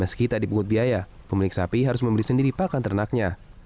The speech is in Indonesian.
meski tak dipungut biaya pemilik sapi harus membeli sendiri pakan ternaknya